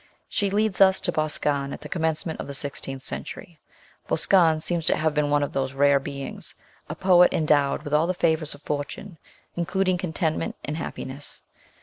She leads us to Boscan at the commence ment of the sixteenth century. Boscan seems to have 14 * 212 MRS. SHELLEY. been one of those rare beings, a poet endowed with all the favours of fortune, including contentment and happiness.